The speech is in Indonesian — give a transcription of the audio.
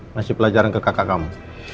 ngasih pelajaran ke kakak kamu